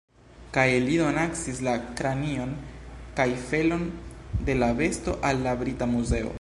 Kaj li donacis la kranion kaj felon de la besto al la Brita Muzeo.